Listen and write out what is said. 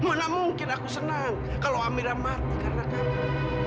mana mungkin aku senang kalau amira mati karena kamu